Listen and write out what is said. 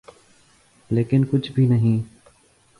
لیکن کچھ بھی نہیں۔